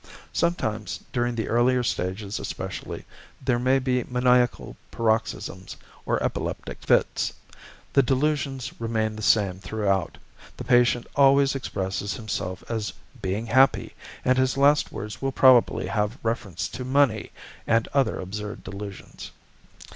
Sometimes, during the earlier stages especially, there may be maniacal paroxysms or epileptic fits. The delusions remain the same throughout, the patient always expresses himself as being happy, and his last words will probably have reference to money and other absurd delusions.